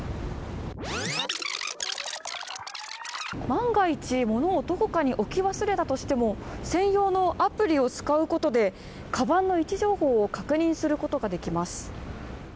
万が一ものをどこかに置き忘れたとしても専用のアプリを使うことでカバンの位置情報を確認することができます